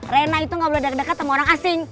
rena itu nggak boleh deket deket sama orang asing